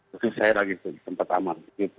posisinya lagi di tempat aman